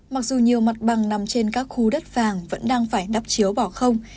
mặc dù nhiều mặt bằng nằm trên các khu đất vàng vẫn đang phải đắp chiếu bỏ không